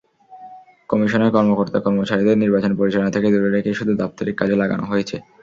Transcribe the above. কমিশনের কর্মকর্তা-কর্মচারীদের নির্বাচন পরিচালনা থেকে দূরে রেখে শুধু দাপ্তরিক কাজে লাগানো হয়েছে।